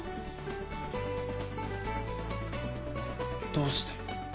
どうして？